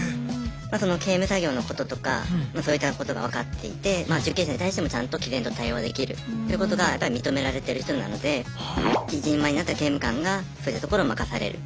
その刑務作業のこととかそういったことが分かっていて受刑者に対してもちゃんときぜんと対応できるということがやっぱ認められてる人なので一人前になった刑務官がそういったところを任される。